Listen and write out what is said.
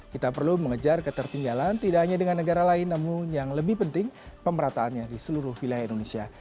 kita perlu mengejar ketertinggalan tidak hanya dengan negara lain namun yang lebih penting pemerataannya di seluruh wilayah indonesia